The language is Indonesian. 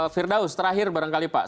firdaus terakhir barangkali pak